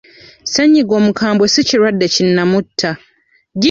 Ssenyiga omukambwe si kirwadde kinnamutta.